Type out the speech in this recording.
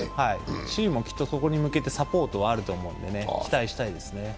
チームもきっとそこに向けてサポートはあると思うので期待したいですね。